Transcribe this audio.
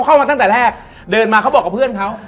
เข้ามาตั้งแต่แรกเดินมาเขาบอกกับเพื่อนเขา